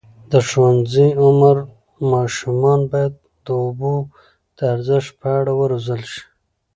د ښوونځي عمر ماشومان باید د اوبو د ارزښت په اړه وروزل شي.